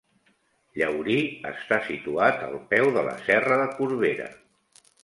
Llaurí està situat al peu de la Serra de Corbera.